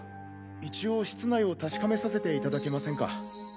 一応室内を確かめさせていただけませんか？